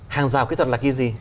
hàng giao kỹ thuật là cái gì